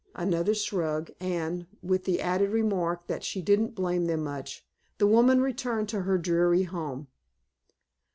Another shrug, and, with the added remark that she didn't blame them much, the woman returned to her dreary home.